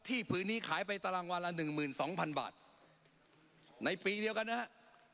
ที่ผืนนี้ขายไปตารางวัลละ๑๒๐๐๐บาทในปีเดียวกันนะครับ